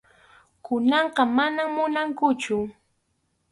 Kunanqa manam munankuchu.